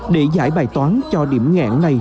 để giải bài toán cho điểm ngạn này